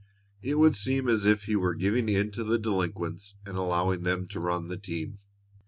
It would seem as if he were giving in to the delinquents and allowing them to run the team.